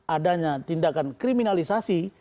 adanya tindakan kriminalisasi